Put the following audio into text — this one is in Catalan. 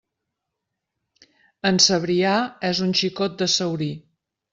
En Cebrià és un xicot de Saurí.